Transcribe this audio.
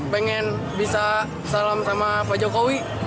pengen bisa salam sama pak jokowi